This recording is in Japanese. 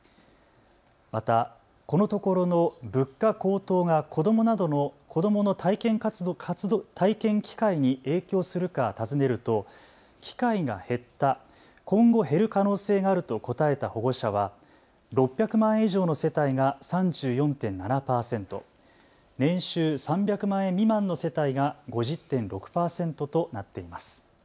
またこのところの物価高騰が子どもの体験機会に影響するか尋ねると機会が減った、今後減る可能性があると答えた保護者は６００万円以上の世帯が３４．７％、年収３００万円未満の世帯が５０．６％となっています。